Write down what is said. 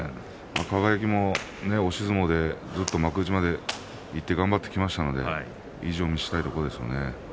輝も押し相撲でずっと幕内までいって頑張ってきましたので意地を見せたいところですね。